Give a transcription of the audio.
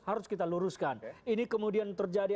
harus kita luruskan ini kemudian terjadi